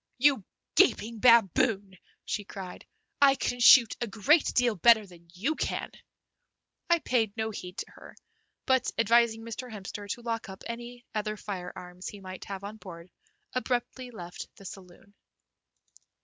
"You gaping baboon," she cried, "I can shoot a great deal better than you can!" I paid no heed to her, but, advising Mr. Hemster to lock up any other firearms he might have on board, abruptly left the saloon.